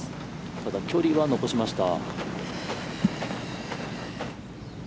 ただ、距離は残しました。